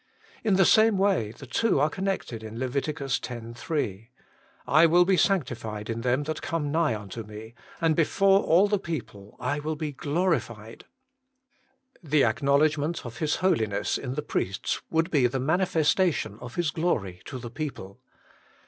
In the same way the two are connected in Lev. x. 3, ' I will be sanctified in them that come nigh unto me, and before all the people I will be glorified' The acknowledgment of His Holiness in the priests would be the manifestation of His glory to the people.